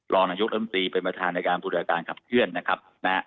รองรายกรรมตรีเป็นประธานในการปฏิบัติการขับเคลื่อน